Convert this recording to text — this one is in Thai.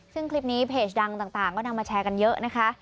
ซึ่งคลิปนี้เพจดังต่างก็นำมาแชร์กันเยอะนะคะ